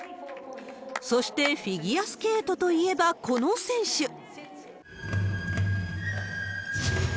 そしてフィギュアスケートといえば、この選手。